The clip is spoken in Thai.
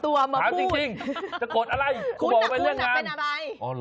คู่หนักผู้หนักเป็นอะไร